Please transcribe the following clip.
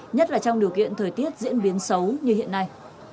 nhất là trong điều kiện thời tiết diễn biến xấu như hiện nay